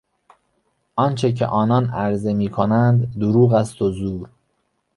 آنچه که آنان عرضه میکنند دروغ است و زور.